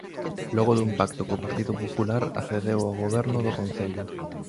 Logo dun pacto co Partido Popular accedeu ao goberno do concello.